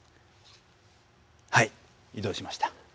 はい移動しました。